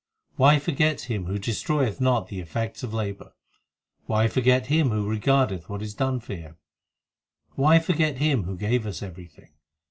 4 Why forget Him who destroyeth not the effects of labour ? Why forget Him who regardeth what is done for Him ? Why forget Him who gave us everything